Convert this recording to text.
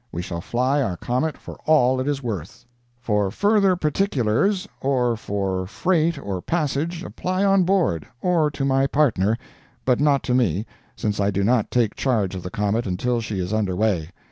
We shall fly our comet for all it is worth. FOR FURTHER PARTICULARS, or for freight or passage, apply on board, or to my partner, but not to me, since I do not take charge of the comet until she is under way.